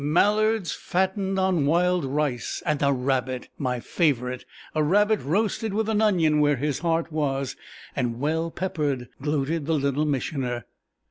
"Mallards fattened on wild rice, and a rabbit my favourite a rabbit roasted with an onion where his heart was, and well peppered," gloated the Little Missioner.